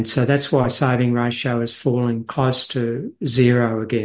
jadi itu mengapa rasio tabungan rata rata itu menurun ke lagi